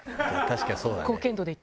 確かにそうだね。